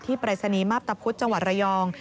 ที่ปริศนีมาพตะพุทธจังหวัดระยอง